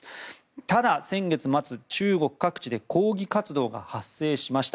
ただ先月末、中国各地で抗議活動が発生しました。